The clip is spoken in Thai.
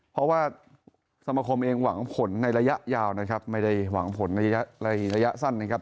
เพราะว่าสมคมเองหวังผลในระยะยาวนะครับไม่ได้หวังผลในระยะสั้นนะครับ